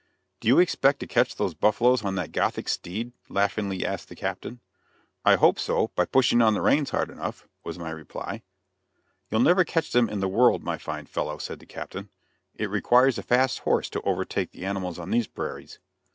"Do you expect to catch those buffaloes on that Gothic steed?" laughingly asked the captain. "I hope so, by pushing on the reins hard enough," was my reply. "You'll never catch them in the world, my fine fellow," said the captain. "It requires a fast horse to overtake the animals on these prairies."